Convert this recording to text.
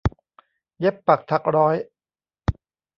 เย็บปักถักร้อย